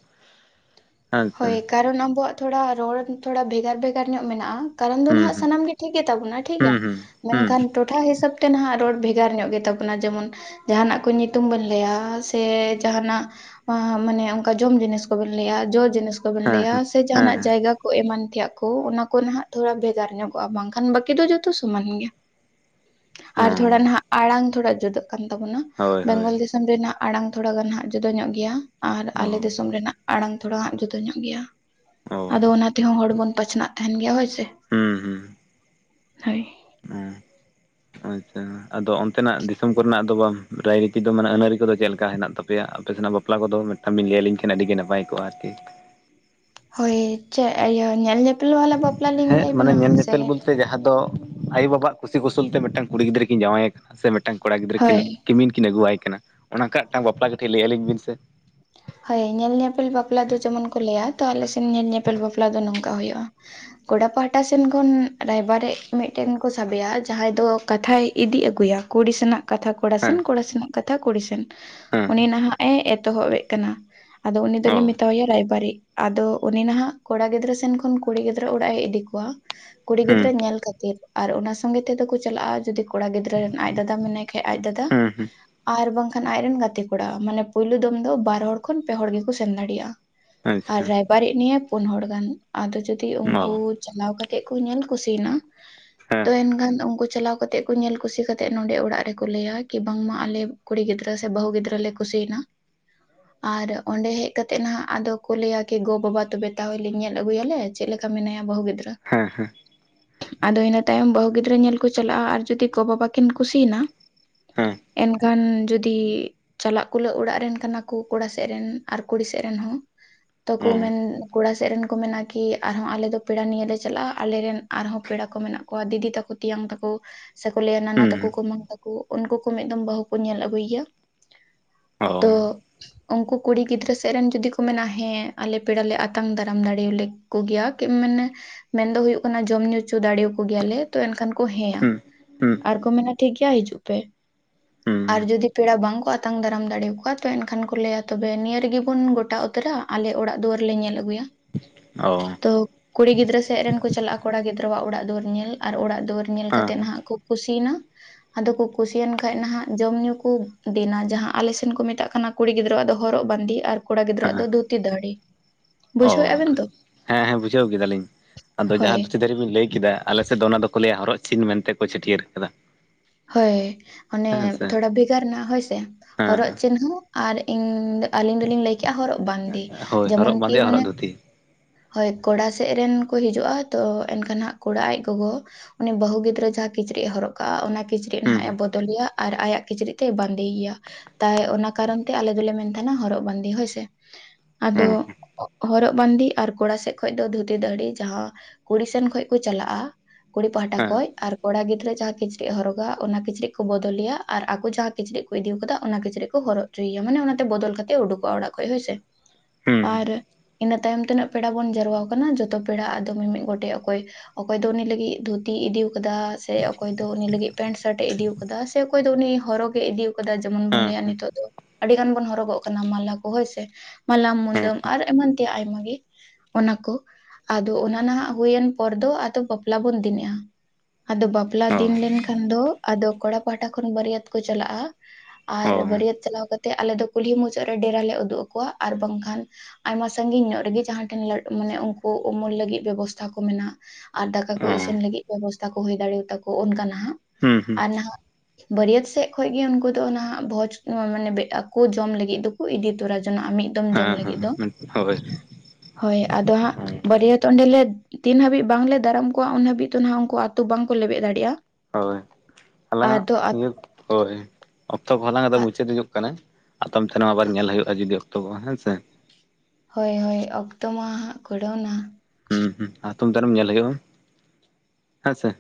ᱟᱪᱪᱷᱟ ᱦᱳᱭ ᱠᱟᱨᱚᱱ ᱟᱵᱚᱣᱟᱜ ᱛᱷᱚᱲᱟ ᱨᱚᱲ ᱛᱷᱚᱲᱟ ᱵᱷᱮᱜᱟᱨ ᱵᱷᱮᱜᱟᱨ ᱧᱚᱜ ᱢᱮᱱᱟᱜᱼᱟ ᱠᱟᱨᱚᱱ ᱫᱚ ᱦᱩᱸ ᱱᱟᱦᱟᱜ ᱦᱩᱸ ᱥᱟᱱᱟᱢ ᱜᱮ ᱴᱷᱤᱠ ᱜᱮᱛᱟᱵᱚᱱᱟ ᱴᱷᱤᱠᱜᱮᱭᱟ ᱦᱩᱸ ᱦᱩᱸ ᱦᱩᱸ ᱢᱮᱱᱠᱷᱟᱱ ᱴᱚᱴᱷᱟ ᱦᱤᱥᱟᱹᱵ ᱛᱮ ᱱᱟᱦᱟᱜ ᱨᱚᱲ ᱵᱷᱮᱜᱟᱨ ᱧᱚᱜ ᱜᱮᱛᱟᱵᱚ ᱚᱱᱟ ᱡᱮᱢᱚᱱ ᱡᱟᱦᱟᱱᱟᱜ ᱠᱚ ᱧᱩᱛᱩᱢ ᱵᱚᱱ ᱞᱟᱹᱭᱟ ᱥᱮ ᱡᱟᱦᱟᱱᱟᱜ ᱟ ᱢᱟᱱᱮ ᱚᱱᱠᱟ ᱡᱚᱢ ᱡᱤᱱᱤᱥ ᱠᱚᱵᱚᱱ ᱞᱟᱹᱭᱟ ᱡᱚ ᱡᱤᱱᱤᱥ ᱠᱚᱵᱚᱱ ᱦᱮᱸ ᱞᱟᱹᱭᱟ ᱦᱮᱸ ᱥᱮ ᱡᱟᱦᱟᱱᱟᱜ ᱦᱮᱸ ᱡᱟᱭᱜᱟ ᱠᱚ ᱮᱢᱟᱱ ᱛᱮᱭᱟᱜ ᱠᱚ ᱚᱱᱟ ᱠᱚ ᱱᱟᱦᱟᱜ ᱛᱷᱚᱲᱟ ᱵᱷᱮᱜᱟᱨ ᱧᱚᱜᱚᱜᱼᱟ ᱵᱟᱝᱠᱷᱟᱱ ᱵᱟᱹᱠᱤ ᱫᱚ ᱡᱚᱛᱚ ᱥᱚᱢᱟᱱ ᱜᱮᱭᱟ <inaudible> ᱟᱨ ᱦᱮᱸ ᱛᱷᱚᱲᱟ ᱱᱟᱦᱟᱜ ᱟᱲᱟᱝ ᱛᱷᱚᱲᱟ ᱡᱩᱫᱟᱹᱜ ᱠᱟᱱ ᱛᱟᱵᱚᱱᱟ ᱦᱳᱭ ᱦᱳᱭ ᱵᱮᱝᱜᱚᱞ ᱫᱤᱥᱚᱢ ᱫᱤᱥᱚᱢ ᱨᱮᱱᱟᱜ ᱟᱲᱟᱝ ᱛᱷᱚᱲᱟ ᱜᱟᱱ ᱦᱟᱸᱜ ᱡᱩᱫᱟᱹ ᱧᱚᱜ ᱜᱮᱭᱟ ᱟᱨ ᱚ ᱟᱞᱮ ᱫᱤᱥᱚᱢ ᱨᱮᱱᱟᱜ ᱟᱲᱟᱝ ᱛᱷᱚᱲᱟ ᱦᱟᱜ ᱡᱩᱫᱟᱹ ᱡᱩᱫᱟ. ᱧᱚᱜ ᱜᱮᱭᱟ ᱚ ᱟᱫᱚ ᱚᱱᱟ ᱛᱮᱦᱚᱸ ᱦᱚᱲ ᱵᱚᱱ ᱵᱟᱪᱷᱱᱟᱜ ᱛᱟᱦᱮᱱ ᱜᱮᱭᱟ ᱦᱳᱭ ᱥᱮ ᱦᱩᱸ ᱦᱩᱸ ᱦᱳᱭ ᱚ ᱟᱪᱪᱷᱟ ᱟᱫᱚ ᱚᱱᱛᱮᱱᱟᱜ ᱫᱤᱥᱚᱢ ᱠᱚᱨᱮᱱᱟᱜ ᱫᱚ ᱵᱟ ᱨᱟᱡᱱᱤᱛᱤ ᱫᱚ ᱢᱟᱱᱮ ᱟᱹᱱᱼ ᱟᱨᱹᱤ ᱠᱚᱫᱚ ᱪᱮᱫ ᱞᱮᱠᱟ ᱦᱮᱱᱟᱜ ᱛᱟᱯᱮᱭᱟ ᱟᱯᱮ ᱥᱮᱱᱟᱜ ᱵᱟᱯ ᱵᱟᱯᱞᱟ ᱠᱚᱫᱚ ᱢᱤᱫᱴᱟᱝ ᱵᱤᱱ ᱞᱟᱹᱭᱟᱹᱞᱤᱧ ᱠᱷᱟᱱ ᱟᱹᱰᱤ ᱜᱮ ᱱᱟᱯᱟᱭ ᱠᱚᱜᱼᱟ ᱟᱨᱠᱤ ᱦᱳᱭ ᱪᱮᱫ ᱤᱭᱟᱹ ᱧᱮᱞ ᱧᱮᱯᱮᱞ ᱵᱟᱞᱟ ᱵᱟᱯᱞᱟ ᱞᱤᱧ ᱞᱟ. ᱭᱟ ᱵᱤᱱᱟ ᱥᱮ ᱥᱮ ᱡᱟᱦᱟᱸ ᱫᱚ ᱟᱭᱳᱵᱟᱵᱟᱣᱟᱜ ᱠᱩᱥᱤ ᱠᱩᱥᱟᱞ ᱛᱮ ᱢᱤᱫᱴᱟᱝ ᱠᱩᱲᱤ ᱜᱤᱫᱽᱨᱟᱹ ᱠᱤᱱ ᱡᱟᱶᱟᱭᱮ ᱠᱟᱱᱟ ᱥᱮ ᱢᱤᱫᱴᱟᱝ ᱠᱚᱲᱟ ᱜᱤᱫᱽᱨᱟᱹ ᱠᱤᱱ ᱦᱳᱭ ᱠᱤᱢᱤᱱ ᱠᱤᱱ ᱟᱹᱜᱩᱣᱟᱭ ᱠᱟᱱᱟ ᱚᱱᱠᱟ ᱢᱤᱫᱴᱟᱝ ᱵᱟᱯᱞᱟ ᱠᱟᱹᱴᱤᱡ ᱞᱟᱹᱭ ᱟᱹᱞᱤᱧ ᱵᱤᱱ ᱥᱮ ᱦᱳᱭ ᱧᱮᱞ ᱧᱮᱯᱮᱞ ᱵᱟᱯᱞᱟ ᱫᱚ ᱡᱮᱢᱚᱱ ᱠᱚ ᱞᱟᱹᱭᱟ ᱛᱚ ᱟᱞᱮ ᱥᱮᱱ ᱧᱮᱞ ᱧᱮᱯᱮᱞ ᱵᱟᱯᱞᱟ ᱫᱚ ᱱᱚᱝᱠᱟ ᱦᱳᱭᱳᱜᱼᱟ ᱠᱚᱲᱟ ᱯᱟᱦᱴᱟ ᱥᱮᱱ ᱠᱷᱚᱱ ᱨᱟᱭᱵᱟᱨᱮᱫ ᱢᱤᱫᱴᱮᱱ ᱠᱚ ᱥᱟᱵᱮᱭᱟ ᱡᱟᱦᱟᱸᱭ ᱫᱚ ᱠᱟᱛᱷᱟᱭ ᱤᱫᱤ ᱟᱹᱜᱩᱭᱟ ᱠᱩᱲᱤᱥᱮᱱᱟᱜ ᱠᱟᱛᱷᱟ ᱠᱚᱲᱟ ᱥᱮᱱ ᱦᱮᱸ ᱠᱚᱲᱟ ᱥᱮᱱᱟᱜ ᱠᱟᱛᱷᱟ ᱠᱩᱲᱤ ᱥᱮᱱ ᱩᱱᱤ ᱦᱮᱸ ᱱᱟᱦᱟᱜ ᱮ ᱮᱛᱚᱦᱚᱵᱮᱜ ᱠᱟᱱᱟ ᱟᱫᱚ ᱩᱱᱤ ᱚ ᱫᱚᱞᱮ ᱢᱮᱛᱟᱣ ᱟᱭᱟ ᱨᱟᱭᱵᱟᱨᱤᱡ ᱟᱫᱚ ᱩᱱᱤ ᱱᱟᱦᱟᱜ ᱠᱚᱲᱟ ᱜᱤᱫᱽᱨᱟᱹ ᱥᱮᱱ ᱠᱷᱚᱱ ᱠᱩᱲᱤ ᱜᱤᱫᱽᱨᱟᱹ ᱚᱲᱟᱜ ᱮ ᱤᱫᱤ ᱠᱚᱣᱟ ᱠᱩᱲᱤ ᱦᱩᱸ ᱜᱤᱫᱽᱨᱟᱹ ᱧᱮᱞ ᱠᱟᱛᱮᱫ ᱟᱨ ᱚᱱᱟ ᱥᱚᱸᱜᱮ ᱛᱮᱫᱚ ᱠᱚ ᱪᱟᱞᱟᱜᱼᱟ ᱡᱩᱫᱤ ᱠᱚᱲᱟ ᱜᱤᱫᱽᱨᱟᱹ ᱨᱮᱱ ᱟᱡ ᱫᱟᱫᱟ ᱢᱮᱱᱟᱭ ᱠᱷᱟᱡ ᱟᱡ ᱫᱟᱫᱟ ᱦᱩᱸ ᱦᱩᱸ ᱟᱨ ᱵᱟᱝ ᱠᱷᱟᱱ ᱟᱡᱨᱮᱱ ᱜᱟᱛᱮ ᱠᱚᱲᱟ ᱢᱟᱱᱮ ᱯᱳᱭᱞᱳ ᱫᱚᱢ ᱫᱚ ᱵᱟᱨ ᱦᱚᱲ ᱠᱷᱚᱱ ᱯᱮ ᱦᱚᱲ ᱜᱮᱠᱚ ᱥᱮᱱ ᱫᱟᱲᱮᱭᱟᱜᱼᱟ ᱟᱨ ᱟᱪᱪᱷᱟ ᱨᱟᱭ ᱵᱟᱨᱤᱫ ᱱᱤᱭᱮ ᱯᱩᱱ ᱦᱚᱲ ᱜᱟᱱ ᱟᱫᱚ ᱡᱩᱫᱤ ᱚ ᱩᱱᱠᱩ ᱪᱟᱞᱟᱣ ᱠᱟᱛᱮᱫ ᱠᱚ ᱧᱮᱞ ᱠᱩᱥᱤᱭᱮᱱᱟ ᱦᱮᱸ ᱛᱚ ᱮᱱᱠᱷᱟᱱ ᱩᱱᱠᱩ ᱪᱟᱞᱟᱣ ᱠᱟᱛᱮᱫ ᱠᱚ ᱧᱮᱞ ᱠᱩᱥᱤ ᱠᱟᱛᱮᱫ ᱱᱚᱰᱮ ᱚᱲᱟᱜ ᱨᱮᱠᱚ ᱞᱟᱹᱭᱟ ᱠᱤ ᱵᱟᱝᱢᱟ ᱟᱞᱮ ᱠᱩᱲᱤ ᱜᱤᱫᱽᱨᱟᱹ ᱥᱮ ᱵᱟᱹᱦᱩ ᱜᱤᱫᱽᱨᱟᱹ ᱞᱮ ᱠᱩᱥᱤᱭᱱᱟ ᱟᱨ ᱚᱸᱰᱮ ᱦᱮᱡ ᱠᱟᱛᱮᱫ ᱱᱟᱦᱟᱜ ᱟᱫᱚ ᱠᱚ ᱞᱟᱹᱭᱟ ᱠᱤ ᱜᱚ ᱵᱟᱵᱟ ᱛᱚᱵᱮ ᱛᱟᱦᱞᱮ ᱧᱮᱞ ᱟᱹᱜᱩᱭᱟᱞᱮ ᱪᱮᱫ ᱞᱮᱠᱟ ᱢᱮᱱᱟᱭᱟ ᱵᱟᱦᱩ ᱜᱤᱫᱽᱨᱟᱹ ᱦᱮᱸ ᱦᱮᱸ ᱟᱫᱚ ᱤᱱᱟᱹ ᱛᱟᱭᱚᱢ ᱵᱟᱹᱦᱩ ᱜᱤᱫᱽᱨᱟᱹ ᱧᱮᱞ ᱠᱚ ᱪᱟᱞᱟᱜᱼᱟ ᱟᱨ ᱡᱩᱫᱤ ᱜᱚ ᱵᱟᱵᱟ ᱠᱤᱱ ᱠᱩᱥᱤᱭᱱᱟ ᱦᱮᱸ ᱮᱱᱠᱷᱟᱱ ᱡᱩᱫᱤ ᱪᱟᱞᱟᱜ ᱠᱩᱞᱟᱹᱜ ᱚᱲᱟᱜ ᱨᱮᱱ ᱠᱟᱱᱟ ᱠᱚ ᱠᱚᱲᱟ ᱥᱮᱜ ᱨᱮᱱ ᱟᱨ ᱠᱩᱲᱤ ᱥᱮᱜ ᱨᱮᱱ ᱦᱚᱸ ᱛᱚᱠᱚ ᱚ ᱢᱮᱱ ᱠᱚᱲᱟ ᱥᱮᱫ ᱨᱮᱱ ᱠᱚ ᱢᱮᱱᱟ ᱠᱤ ᱟᱨᱦᱚᱸ ᱟᱞᱮ ᱫᱚ ᱯᱮᱲᱟ ᱱᱤᱭᱟᱹ ᱞᱮ ᱪᱟᱞᱟᱜᱼᱟ ᱟᱞᱮᱨᱮᱱ ᱟᱨᱦᱚᱸ ᱯᱮᱲᱟ ᱠᱚ ᱢᱮᱱᱟᱜ ᱠᱚᱣᱟ ᱫᱤᱫᱤ ᱛᱟᱠᱚ ᱛᱤᱭᱟᱝ ᱛᱟᱠᱚ ᱥᱮᱠᱚ ᱞᱟᱹᱭᱟ ᱱᱟᱱᱟ ᱛᱟᱠᱚ ᱦᱩᱸ ᱠᱩᱢᱟᱝ ᱛᱟᱠᱚ ᱩᱱᱠᱩ ᱠᱚ ᱢᱤᱫ ᱫᱚᱢ ᱵᱟᱹᱦᱩ ᱠᱚ ᱧᱮᱞ ᱟᱹᱜᱩᱭ ᱭᱟ ᱚ ᱛᱚ ᱩᱱᱠᱩ ᱠᱩᱲᱤ ᱜᱤᱫᱽᱨᱟᱹ ᱥᱮᱜ ᱨᱮᱱ ᱡᱩᱫᱤ ᱠᱚ ᱢᱮᱱᱟ ᱦᱮᱸ ᱟᱞᱮ ᱯᱮᱲ ᱞᱮ ᱟᱛᱟᱝ ᱫᱟᱨᱟᱢ ᱫᱟᱲᱮᱭᱟᱞᱮ ᱠᱚ ᱜᱮᱭᱟ ᱠᱤ ᱢᱟᱱᱮ ᱢᱮᱱ ᱫᱚ ᱦᱩᱭᱩᱜ ᱠᱟᱱᱟ ᱡᱚᱢ ᱧᱩ ᱪᱚ ᱫᱟᱲᱮᱭᱟᱠᱚ ᱜᱮᱭᱟᱞᱮ ᱛᱚ ᱮᱱᱠᱷᱟᱱ ᱠᱚ ᱦᱮᱸᱭᱟ ᱦᱩᱸ ᱦᱩᱸ ᱟᱨ ᱠᱚ ᱢᱮᱱᱟ ᱴᱷᱤᱠ ᱜᱮᱭᱟ ᱦᱤᱡᱩᱜ ᱯᱮ ᱟᱨ ᱦᱩᱸ ᱡᱩᱫᱤ ᱯᱮᱲᱟ ᱵᱟᱝᱠᱚ ᱟᱛᱟᱝ ᱫᱟᱨᱟᱢ ᱫᱟᱲᱮᱭᱟᱠᱚᱣᱟ ᱛᱚ ᱮᱱ ᱠᱷᱟᱱ ᱠᱚ ᱞᱟᱹᱭᱟ ᱛᱚᱵᱮ ᱱᱤᱭᱟᱹ ᱨᱮᱜᱮ ᱵᱚᱱ ᱜᱚᱴᱟ ᱩᱛᱟᱹᱨᱟ ᱟᱞᱮ ᱚᱲᱟᱜ ᱫᱩᱣᱟᱹᱨ ᱞᱮ ᱧᱮᱞ ᱟᱹᱜᱩᱭᱟ ᱚ ᱛᱚ ᱠᱩᱲᱤ ᱜᱤᱫᱽᱨᱟᱹ ᱥᱮᱜ ᱨᱮᱱ ᱠᱚ ᱪᱟᱞᱟᱜᱼᱟ ᱠᱚᱲᱟ ᱜᱤᱫᱽᱨᱟᱹᱣᱟᱜ ᱚᱲᱟᱜ ᱫᱩᱣᱟᱹᱨ ᱧᱮᱞ ᱟᱨ ᱚᱲᱟᱜ ᱫᱩᱣᱟᱹᱨ ᱧᱮᱞ ᱦᱮᱸ ᱠᱟᱛᱮᱫ ᱱᱟᱦᱟᱜ ᱠᱚ ᱠᱩᱥᱤᱭᱱᱟ ᱟᱫᱚ ᱠᱚ ᱠᱩᱥᱤᱭᱮᱱ ᱠᱷᱟᱡ ᱱᱟᱦᱟᱜ ᱡᱚᱢ ᱧᱩ ᱠᱚ ᱫᱤᱱ ᱟ ᱡᱟᱦᱟᱸ ᱟᱞᱮ ᱥᱮᱱ ᱠᱚ ᱢᱮᱛᱟᱜ ᱠᱟᱱᱟ ᱠᱩᱲᱤ ᱜᱤᱫᱽᱨᱟᱹᱣᱟᱜ ᱫᱚ ᱦᱚᱨᱚᱜ ᱵᱟᱸᱫᱮ ᱟᱨ ᱠᱚᱲᱟ ᱜᱤᱫᱽᱨᱟᱹᱣᱟᱜ ᱫᱚ ᱫᱷᱩᱛᱤ ᱫᱟᱹᱲᱤ ᱚ ᱦᱮᱸ ᱦᱮᱸ ᱵᱩᱡᱷᱟᱹᱣ ᱠᱮᱫᱟᱞᱤᱧ ᱟᱫᱚ ᱦᱳᱭ ᱡᱟᱦᱟᱸ ᱫᱷᱩᱛᱤ ᱫᱷᱟᱹᱨᱤ ᱵᱤᱱ ᱞᱟᱹᱭ ᱠᱮᱫᱟ ᱟᱞᱮ ᱥᱮᱫ ᱫᱚ ᱚᱱᱟ ᱫᱚᱠᱚ ᱞᱟᱹᱭᱟ ᱦᱚᱨᱚᱜ ᱪᱤᱱ ᱢᱮᱱᱛᱮ ᱠᱚ ᱪᱷᱟᱹᱴᱤᱭᱟᱹᱨ ᱟᱠᱟᱫᱟ᱾ ᱦᱳᱭ ᱚᱱᱮ ᱦᱮᱸ ᱥᱮ ᱛᱷᱚᱲᱟ ᱵᱷᱮᱜᱟᱨ ᱱᱟ ᱦᱳᱭᱥᱮ ᱦᱮᱸ ᱦᱚᱨᱚᱜ ᱦᱮᱸ ᱪᱮᱱ ᱦᱚᱸ ᱟᱨ ᱤᱧ ᱟᱹᱞᱤᱧ ᱫᱚᱞᱤᱧ ᱞᱟᱹᱭᱠᱮᱜᱼᱟ ᱦᱚᱨᱚᱜ ᱵᱟᱱᱫᱤ ᱦᱳᱭ ᱡᱮᱢᱚᱱ ᱦᱚᱨᱚᱜ ᱠᱤ ᱵᱟᱸᱫᱮᱭᱟ ᱦᱚᱨᱚᱜ ᱢᱟᱱᱮ ᱫᱷᱩᱛᱤ ᱦᱳᱭ ᱠᱚᱲᱟ ᱥᱮᱫ ᱨᱮᱱ ᱠᱚ ᱦᱤᱡᱩᱜ ᱟ ᱛᱚ ᱮᱱᱠᱷᱟᱱ ᱦᱟᱸᱜ ᱠᱚᱲᱟ ᱟᱡ ᱜᱚᱜᱚ ᱩᱱᱤ ᱵᱟᱹᱩ ᱜᱤᱫᱽᱨᱟᱹ ᱡᱟᱦᱟᱸ ᱠᱤᱪᱨᱤᱡ ᱮ ᱦᱚᱨᱚᱜ ᱠᱟᱜᱼᱟ ᱚᱱᱟ ᱠᱤᱪᱨᱤᱡ ᱱᱟᱦᱟᱜ ᱮ ᱦᱩᱸ ᱵᱚ ᱫᱚᱞᱮᱭᱟ ᱟᱨ ᱟᱭᱟᱜ ᱠᱤᱪᱨᱤᱡ ᱛᱮᱭ ᱵᱟᱸᱫᱮᱭ ᱭᱟ᱾ ᱛᱟᱭ ᱚᱱᱟ ᱠᱟᱨᱚᱱ ᱛᱮ ᱟᱞᱮ ᱫᱚᱞᱮ ᱢᱮᱱ ᱛᱟᱦᱮᱱᱟ ᱦᱚᱨᱚᱜ ᱵᱟᱱᱫᱮ ᱦᱳᱭᱥᱮ ᱟᱫᱚ ᱦᱩᱸ ᱦᱚᱨᱚᱜ ᱵᱟᱹᱱᱫᱮ ᱟᱨ ᱠᱚᱲᱟ ᱥᱮᱫ ᱠᱷᱚᱡ ᱫᱚ ᱫᱷᱩᱛᱤ ᱫᱟᱹᱦᱲᱤ ᱡᱟᱦᱟᱸ ᱠᱩᱲᱤ ᱥᱮᱱ ᱠᱷᱚᱡ ᱠᱚ ᱪᱟᱞᱟᱜ ᱟ ᱠᱩᱲᱤ ᱯᱟᱦᱴᱟ ᱦᱮᱸ ᱠᱷᱚᱡ ᱟᱨ ᱠᱚᱲᱟ ᱜᱤᱫᱽᱨᱟᱹ ᱡᱟᱦᱟᱸ ᱠᱤᱪᱨᱤᱡ ᱮ ᱦᱚᱨᱚᱜᱟ ᱚᱱᱟ ᱠᱤᱪᱨᱤᱡ ᱠᱚ ᱵᱚᱫᱚᱞᱮᱭᱟ ᱟᱨ ᱟᱠᱚ ᱡᱟᱦᱟᱸ ᱠᱤᱪᱨᱤᱜ ᱤᱫᱤᱣ ᱠᱟᱫᱟ ᱚᱱᱟ ᱠᱤᱪᱨᱤᱡ ᱠᱚ ᱦᱚᱨᱚᱜ ᱩᱪᱩᱭᱟ ᱢᱟᱱᱮ ᱚᱱᱟᱛᱮ ᱵᱚᱫᱚᱞ ᱠᱟᱛᱮᱜ ᱩᱰᱩᱠᱚᱜᱼᱟ ᱚᱲᱟᱜ ᱠᱷᱚᱡ ᱦᱳᱭ ᱥᱮ ᱦᱩᱸ ᱟᱨ ᱤᱱᱟᱹ ᱛᱟᱭᱚᱢ ᱛᱤᱱᱟᱹᱜ ᱯᱮᱲᱟ ᱵᱚᱱ ᱡᱟᱨᱣᱟ ᱟᱠᱟᱱᱟ ᱡᱚᱛᱚ ᱯᱮᱲᱟ ᱟᱫᱚ ᱢᱤᱢᱤᱫ ᱜᱚᱴᱮᱡ ᱚᱠᱚᱭ ᱚᱠᱚᱭ ᱫᱚ ᱩᱱᱤ ᱞᱟᱹᱜᱤᱫ ᱫᱷᱩᱛᱤ ᱤᱫᱤᱣᱠᱟᱫᱟ ᱥᱮ ᱚᱠᱚᱭ ᱫᱚ ᱩᱱᱤ ᱞᱟᱹᱜᱤᱫ ᱯᱮᱱᱴ ᱥᱟᱨᱴ ᱮ ᱤᱫᱤᱣ ᱥᱮ ᱚᱠᱚᱭ ᱫᱚ ᱩᱱᱤ ᱦᱚᱨᱚᱜᱮ ᱤᱫᱤᱣᱠᱟᱫᱟ ᱡᱮᱢᱚᱱ ᱵᱚᱱ ᱦᱮᱸ ᱞᱟᱹᱭᱟ ᱦᱮᱸ ᱱᱤᱛᱚᱜ ᱫᱚ ᱟᱹᱰᱤ ᱜᱟᱱ ᱵᱚᱱ ᱦᱚᱨᱚᱜᱚᱜ ᱠᱟᱱᱟ ᱢᱟᱞᱟ ᱠᱚ ᱦᱳᱭᱥᱮ ᱢᱟᱞᱟ ᱦᱮᱸ ᱢᱩᱫᱟᱹᱢ ᱟᱨ ᱮᱢᱟᱱ ᱛᱮᱭᱟᱜ ᱟᱭᱢᱟ ᱜᱮ ᱚᱱᱟ ᱠᱚ ᱟᱫᱚ ᱚᱱᱟ ᱱᱟᱦᱟᱜ ᱦᱩᱭᱮᱱ ᱯᱚᱨ ᱫᱚ ᱟᱫᱚ ᱵᱟᱯᱞᱟ ᱵᱚᱱ ᱫᱤᱱᱮᱜ ᱟ᱾ ᱟᱫᱚ ᱵᱟᱯᱞᱟ ᱚ ᱫᱤᱱ ᱞᱮᱱᱠᱷᱟᱱ ᱫᱚ ᱟᱫᱚ ᱠᱚᱲᱟ ᱯᱟᱦᱟᱴᱟ ᱠᱷᱚᱱ ᱵᱟᱹᱨᱭᱟᱹᱛ ᱠᱚ ᱪᱟᱞᱟᱜᱼᱟ᱾ ᱟᱨ ᱚ ᱵᱟᱹᱨᱭᱟᱹᱛ ᱪᱟᱞᱟᱣ ᱠᱟᱛᱮᱜ ᱟᱞᱮ ᱫᱚ ᱠᱩᱞᱦᱤ ᱢᱩᱪᱟᱹᱫ ᱨᱮ ᱰᱮᱨᱟ ᱞᱮ ᱩᱫᱩᱜ ᱟᱠᱚᱣᱟ ᱟᱨ ᱵᱟᱝᱠᱷᱟᱱ ᱟᱭᱢᱟ ᱥᱟᱟᱹᱜᱤᱧ ᱧᱚᱜ ᱨᱮᱜᱮ ᱡᱟᱦᱟᱸ ᱴᱷᱮᱱ ᱞᱮ ᱢᱟᱱᱮ ᱩᱱᱠᱩ ᱩᱢᱩᱞ ᱞᱟᱹᱜᱤᱫ ᱵᱮᱵᱚᱥᱛᱷᱟ ᱠᱚ ᱢᱮᱱᱟᱜ ᱟᱨ ᱫᱟᱠᱟ ᱠᱚ ᱚ ᱤᱥᱤᱱ ᱞᱟᱹᱜᱤᱫ ᱵᱮᱵᱚᱥᱛᱷᱟ ᱠᱚ ᱦᱩᱭ ᱫᱟᱲᱮᱭᱟᱛᱟᱠᱚ ᱚᱱᱠᱟ ᱱᱟᱦᱟᱜ ᱦᱩᱸ ᱦᱩᱸ ᱟᱨ ᱱᱟᱦᱟᱜ ᱵᱟᱹᱨᱭᱟᱹᱛ ᱥᱮᱫ ᱠᱷᱚᱡ ᱜᱮ ᱩᱱᱠᱩ ᱫᱚ ᱚᱱᱟᱦᱟᱜ ᱵᱷᱚᱡᱽ ᱢᱟᱱᱮ ᱵᱮᱴᱟ ᱠᱚ ᱡᱚᱢ ᱞᱟᱹᱜᱤᱫ ᱫᱚᱠᱚ ᱤᱫᱤ ᱛᱚᱨᱟ ᱡᱚᱱᱟᱜᱼᱟ ᱢᱤᱫ ᱫᱚᱢ ᱡᱚᱢ ᱦᱮᱸ ᱞᱟᱹᱜᱤᱫ ᱫᱚ ᱦᱮᱸ ᱦᱳᱭ ᱦᱳᱭ ᱟᱫᱚ ᱦᱟᱸᱜ ᱵᱟᱹᱨᱭᱟᱹᱛ ᱚᱸᱰᱮᱞᱮ ᱛᱤᱱ ᱦᱟᱹᱵᱤᱡ ᱵᱟᱝᱞᱮ ᱫᱟᱨᱟᱢ ᱠᱚᱣᱟ ᱩᱱ ᱦᱟᱹᱵᱤᱡ ᱱᱟᱦᱟᱜ ᱩᱱᱠᱩ ᱟᱛᱳ ᱵᱟᱝᱠᱚ ᱞᱮᱵᱮᱫ ᱫᱟᱲᱮᱭᱟᱜᱼᱟ ᱦᱳᱭ ᱟᱫᱚ <unintelligible> ᱚᱠᱛᱚ ᱠᱚ <unintelligible> ᱟᱫᱚ ᱢᱩᱪᱟᱹᱫ ᱦᱤᱡᱩᱜ ᱠᱟᱱᱟ ᱟᱛᱷᱟᱢ ᱵᱟᱨ ᱱᱚᱣᱟ ᱵᱟᱨ ᱧᱮᱞ ᱦᱩᱭᱩᱜ-ᱟ, ᱡᱩᱫᱤ ᱛᱚ ᱦᱮᱸ ᱥᱮ ᱦᱳᱭ ᱦᱳᱭ ᱚᱠᱛᱚ ᱢᱟ ᱦᱟᱸᱜ ᱠᱩᱲᱟᱹᱣᱱᱟ᱾ ᱦᱩᱸ ᱦᱩ ᱦᱟᱛᱚᱢ ᱫᱟᱨᱮᱢ ᱧᱮᱞᱮᱜᱮ ᱵᱚᱱ ᱦᱮᱸ ᱥᱮ